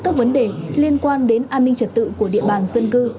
các vấn đề liên quan đến an ninh trật tự của địa bàn dân cư